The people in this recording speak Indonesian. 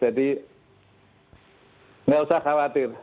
jadi tidak usah khawatir